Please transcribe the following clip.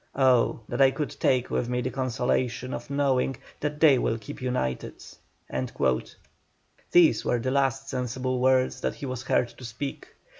Oh! that I could take with me the consolation of knowing that they will keep united." These were the last sensible words that he was heard to speak.